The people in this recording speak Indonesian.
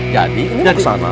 jadi ini apa gak kesana